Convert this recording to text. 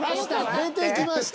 出てきました